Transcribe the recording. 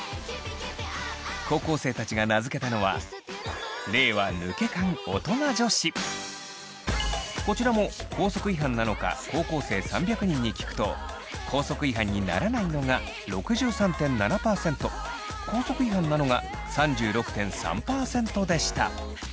高校生たちが名付けたのはこちらも校則違反なのか高校生３００人に聞くと校則違反にならないのが６３．７％校則違反なのが３６．３％でした。